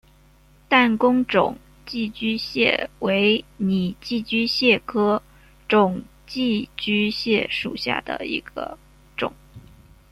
弹弓肿寄居蟹为拟寄居蟹科肿寄居蟹属下的一个种。